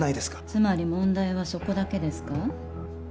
つまり問題はそこだけですか？